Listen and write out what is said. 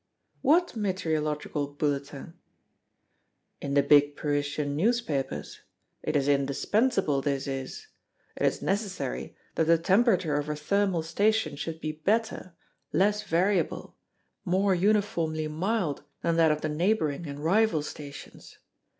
"What meteorological bulletin?" "In the big Parisian newspapers. It is indispensable, this is! It is necessary that the temperature of a thermal station should be better, less variable, more uniformly mild than that of the neighboring and rival stations.